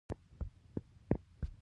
توبه وکړئ